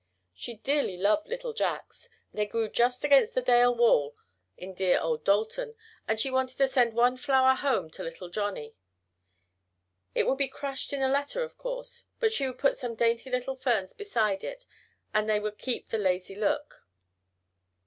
She dearly loved Jacks they grew just against the Dale wall in dear old Dalton, and she wanted to send one flower home to little Johnnie. It would be crushed in a letter of course, but she would put some dainty little ferns beside it and they would keep the lazy look.